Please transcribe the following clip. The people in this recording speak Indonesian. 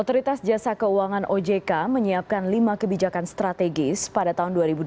otoritas jasa keuangan ojk menyiapkan lima kebijakan strategis pada tahun dua ribu dua puluh